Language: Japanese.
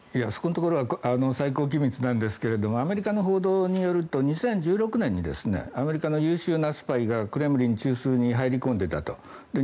そこのところは最高機密なんですけどもアメリカの報道によると２０１６年にアメリカの優秀なスパイがクレムリン中枢に入り込んでいたと。